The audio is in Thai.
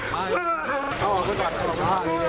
ใครยังกลับ